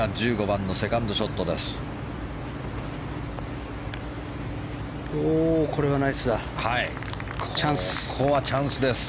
１５番のセカンドショットです。